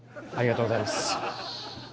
ありがとうございます。